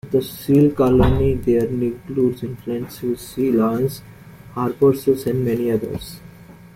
The seal colony there included elephant seals, sea lions harbor seals and many others.